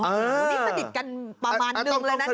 นี่สนิทกันประมาณนึงแล้วนะเนี่ย